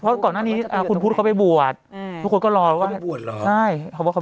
เพราะก่อนหน้านี้อ่าคุณพุทธเค้าไปบวชเอ่อทุกคนก็รอว่าเค้าไปบวชหรอ